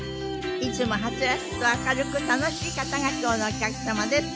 いつもはつらつと明るく楽しい方が今日のお客様です。